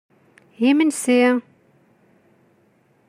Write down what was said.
Imensi!